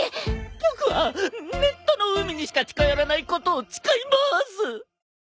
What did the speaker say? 僕はネットの海にしか近寄らないことを誓いまーす！